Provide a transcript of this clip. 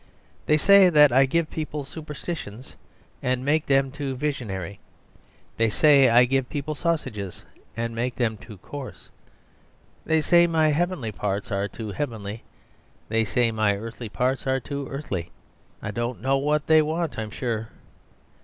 They say that I give people superstitions and make them too visionary; they say I give people sausages and make them too coarse. They say my heavenly parts are too heavenly; they say my earthly parts are too earthly; I don't know what they want, I'm sure.